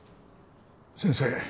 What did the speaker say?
先生